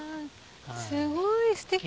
すごいステキ。